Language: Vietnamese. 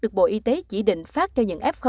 được bộ y tế chỉ định phát cho những f